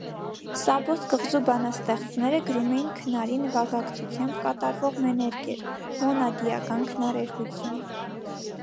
Սաբոս կղզու բանաստեղծները գրում էին քնարի նվագակցությամբ կատարվող մեներգեր (մոնադիական քնարերգություն)։